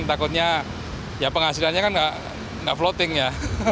takutnya ya penghasilannya kan nggak floating ya